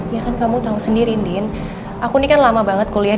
ya kan kamu tahu sendiri din aku ini kan lama banget kuliah